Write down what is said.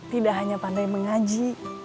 tidak hanya pandai mengaji